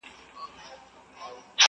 د جنګ د سولي د سیالیو وطن!!